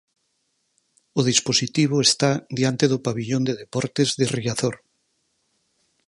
O dispositivo está diante do pavillón de deportes de Riazor.